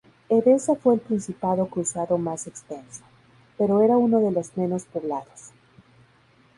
Edesa fue el principado cruzado más extenso, pero era uno de los menos poblados.